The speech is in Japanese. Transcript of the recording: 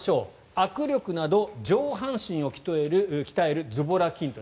握力など上半身を鍛えるズボラ筋トレ。